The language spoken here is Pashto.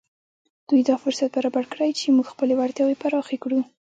دوی دا فرصت برابر کړی چې موږ خپلې وړتياوې پراخې کړو.